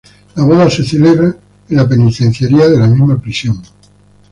La boda se celebró en la penitenciaría de la misma prisión.